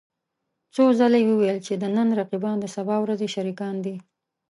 څو ځله يې وويل چې د نن رقيبان د سبا ورځې شريکان دي.